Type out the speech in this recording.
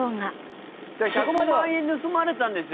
１００万円盗まれたんですよ